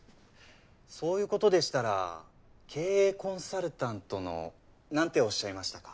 そういうことでしたら経営コンサルタントの何ておっしゃいましたか。